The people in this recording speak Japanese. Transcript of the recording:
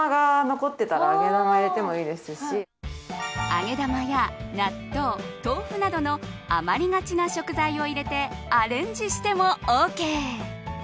揚げ玉や納豆豆腐などの余りがちな食材を入れてアレンジしてもＯＫ。